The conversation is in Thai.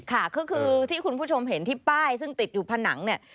ค่ะก็คือที่คุณผู้ชมเห็นที่ป้ายซึ่งติดอยู่ผนังเนี่ย